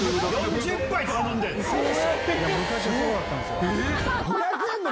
えっ⁉昔はそうだったんですよ。